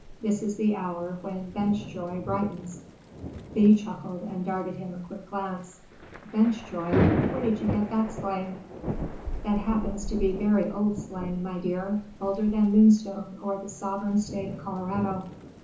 This is the hour when bench joy brightens." Thea chuckled and darted him a quick glance. "Benchjoy! Where did you get that slang?" "That happens to be very old slang, my dear. Older than Moonstone or the sovereign State of Colorado.